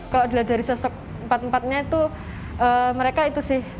kalau dari sosok empat empatnya itu mereka itu sih